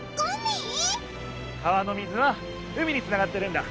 川の水は海につながってるんだ。